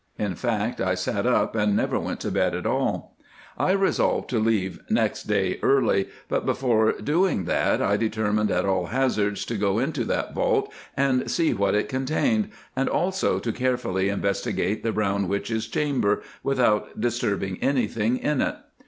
In fact, I sat up and never went to bed at all. I resolved to leave next day early, but before doing that I determined at all hazards, to go into that vault and see what it contained, and also to carefully investigate the "Brown Witch's" chamber without disturbing anything in it.